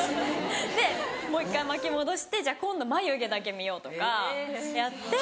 でもう一回巻き戻して「じゃあ今度眉毛だけ見よう」とかやって。